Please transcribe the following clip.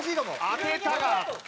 当てたが。